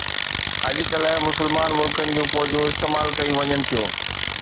اڄڪلهه مسلمان ملڪن جون فوجون استعمال ڪيون وڃن ٿيون